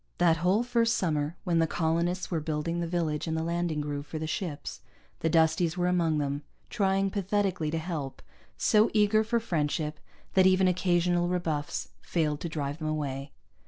That whole first summer, when the colonists were building the village and the landing groove for the ships, the Dusties were among them, trying pathetically to help, so eager for friendship that even occasional rebuffs failed to drive them away.